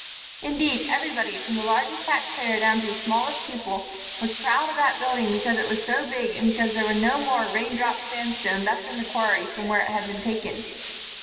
Indeed, everybody, from the largest tax payer down to the smallest pupil, was proud of that building because it was so big and because there was no more rain drop sandstone left in the quarry from which it had been taken.